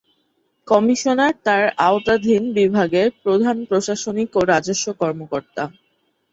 Commissioner তার আওতাধীন বিভাগের প্রধান প্রশাসনিক ও রাজস্ব কর্মকর্তা।